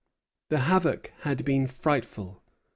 The havoc had been frightful.